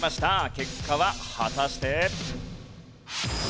結果は果たして？